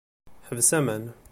Ḥbes aman.